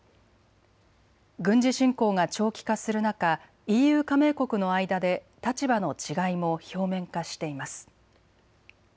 軍事侵攻が長期化する中、ＥＵ加盟国の間で立場の違いも表面化しています。